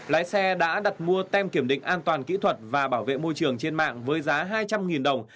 lái xe đã đặt mua tem kiểm định an toàn kỹ thuật và bảo vệ môi trường trên mạng với giá hai trăm linh đồng